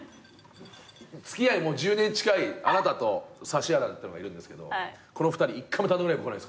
付き合いもう１０年近いあなたと指原ってのがいるんですけどこの２人一回も単独ライブ来ないですからね。